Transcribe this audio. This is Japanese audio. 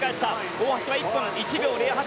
大橋は１分１秒０８。